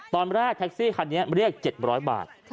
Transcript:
ตอนแรกแท็กซี่คันนี้เรียก๗๐๐บาท